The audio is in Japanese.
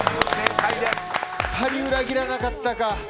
やはり裏切らなかったか。